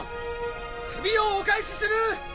首をお返しする！